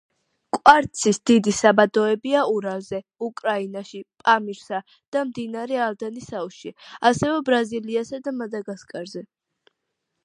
კვარცის დიდი საბადოებია ურალზე, უკრაინაში, პამირსა და მდინარე ალდანის აუზში, ასევე ბრაზილიასა და მადაგასკარზე.